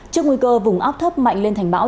trước nguy cơ vùng áp thấp mạnh lên thành bão